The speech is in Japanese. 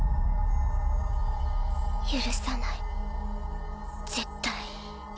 許さない絶対。